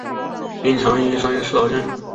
边墙依山势而建。